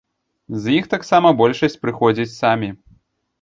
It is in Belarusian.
З іх таксама большасць прыходзяць самі.